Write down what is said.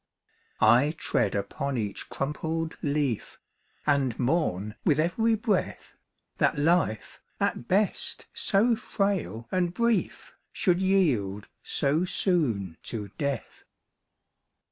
I tread upon each crumpled leaf, And mourn with every breath, That life, at best so frail and brief, Should yield so soon to death.